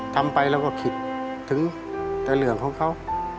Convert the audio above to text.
ทำไปแล้วก็คิดถึงแต่เหลืองของเขา